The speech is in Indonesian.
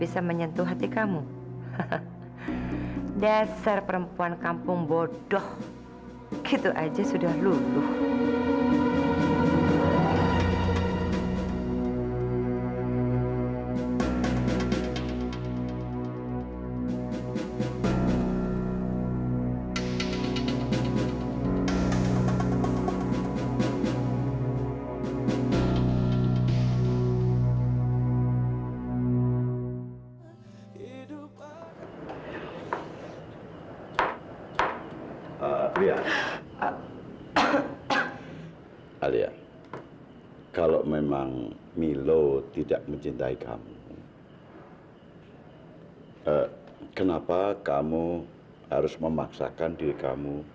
sampai jumpa di video selanjutnya